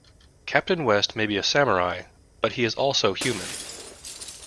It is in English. Captain West may be a Samurai, but he is also human.